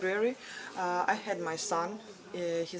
dan kita aman di sini